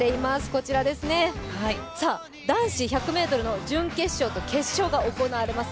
こららですね、男子１００ｍの準決勝と決勝が行われます。